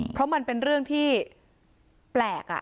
เพราะมันเป็นเรื่องที่แปลก